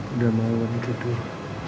udah malu nih tidur